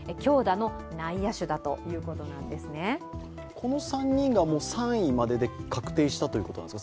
この３人が３位までで確定したということですか？